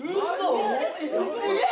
すげえ！